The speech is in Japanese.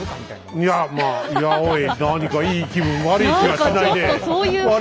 いやまあいやおい何かいい気分悪い気はしないねえ。